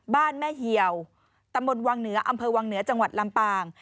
บ้านแม่เหี่ยวตำบลวังเหนืออำเภอวังเหนือจังหวัดลำปาง